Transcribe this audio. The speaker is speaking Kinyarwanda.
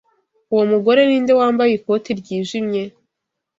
Uwo mugore ninde wambaye ikoti ryijimye?